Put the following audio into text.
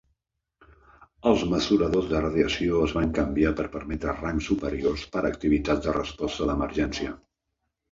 Els mesuradors de radiació es van canviar per permetre rangs superiors per a activitats de resposta d'emergència.